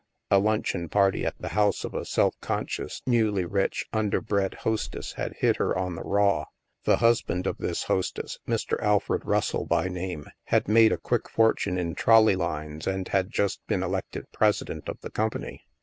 A luncheon party at the house of a self conscious, newly rich, underbred hostess had hit her on the raw. The husband of this hostess — Mr. Alfred Russell, by name — had made a quick fortune in trolley lines and had just been elected president of the company.